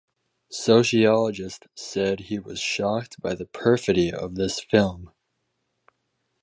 Sociologist said he was "shocked by the perfidy of this film".